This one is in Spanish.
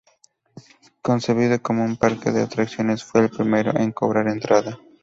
Concebido como un parque de atracciones, fue el primero en cobrar entrada.